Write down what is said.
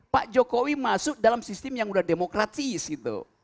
pak jokowi masuk dalam sistem yang sudah demokrasis gitu